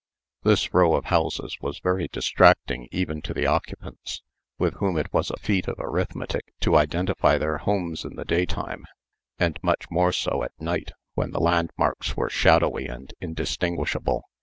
This row of houses was very distracting even to the occupants, with whom it was a feat of arithmetic to identify their homes in the daytime, and much more so at night, when the landmarks were shadowy and indistinguishable.